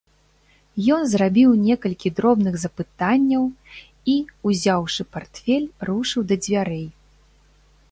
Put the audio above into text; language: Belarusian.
Ён зрабіў некалькі дробных запытанняў і, узяўшы партфель, рушыў да дзвярэй.